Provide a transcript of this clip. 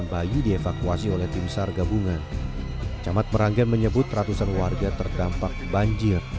bayi dievakuasi oleh tim sar gabungan camat meranggan menyebut ratusan warga terdampak banjir